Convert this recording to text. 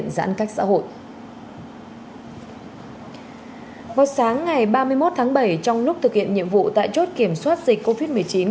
vào sáng ngày ba mươi một tháng bảy trong lúc thực hiện nhiệm vụ tại chốt kiểm soát dịch covid một mươi chín